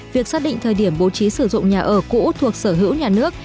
việc xác định thời điểm bố trí sử dụng nhà ở cũ thuộc sở hữu nhà nước